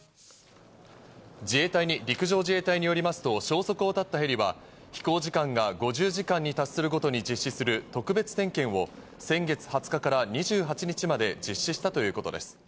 陸上自衛隊によりますと、消息を絶ったヘリは飛行時間が５０時間に達するごとに実施する特別点検を先月２０日から２８日まで実施したということです。